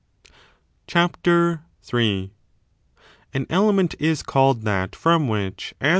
CHAPTER III. An element^ is called that from which, as an i.